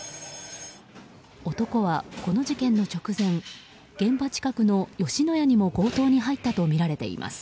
男はこの事件の直前現場近くの吉野家にも強盗に入ったとみられています。